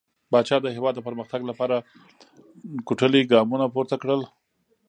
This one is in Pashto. پاچا د هيواد د پرمختګ لپاره ټوکلي ګامونه پورته کړل .